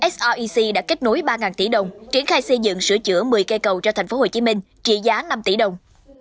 srec đã kết nối ba tỷ đồng triển khai xây dựng sửa chữa một mươi cây cầu cho tp hcm trị giá năm tỷ đồng